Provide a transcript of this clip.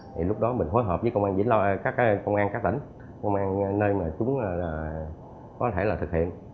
thì lúc đó mình hối hợp với công an các tỉnh công an nơi mà chúng có thể là thực hiện